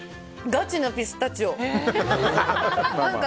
ガチなピスタチオ。